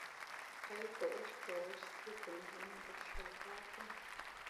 ایا په اوښکو او عاجزۍ ګناهونه بخښل کیږي؟